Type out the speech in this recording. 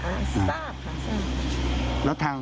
อ่าทราบค่ะทราบ